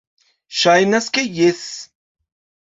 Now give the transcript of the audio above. Ŝajnas, ke jes.